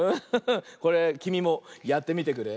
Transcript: これきみもやってみてくれ。